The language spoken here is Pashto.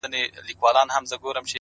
لاسونه ښکلوي; ستا په لمن کي جانانه;